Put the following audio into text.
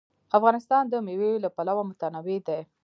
افغانستان د مېوې له پلوه متنوع دی.